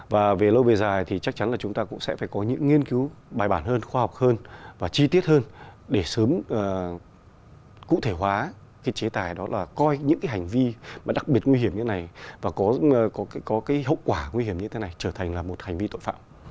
và về lâu về dài thì chắc chắn là chúng ta cũng sẽ phải có những nghiên cứu bài bản hơn khoa học hơn và chi tiết hơn để sớm cụ thể hóa cái chế tài đó là coi những cái hành vi mà đặc biệt nguy hiểm như thế này và có cái hậu quả nguy hiểm như thế này trở thành là một hành vi tội phạm